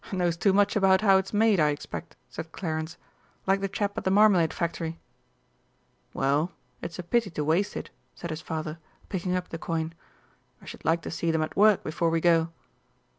"Knows too much about how it's made, I expect," said Clarence. "Like the chap at the Marmalade factory." "Well, it's a pity to waste it," said his father, picking up the coin. "I should like to see them at work before we go."